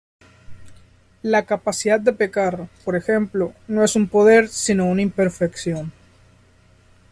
La capacidad de pecar, por ejemplo, no es un poder sino una imperfección.